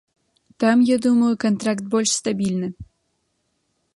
Там, я думаю, кантракт больш стабільны.